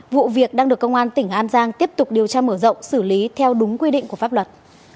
vụ việc đang được công an tỉnh an giang tiếp tục điều tra mở rộng xử lý theo đúng quy định của pháp luật